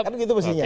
kan gitu posisinya